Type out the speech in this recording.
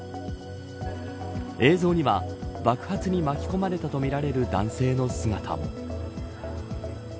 映像には、爆発に巻き込まれたとみられる男性の姿。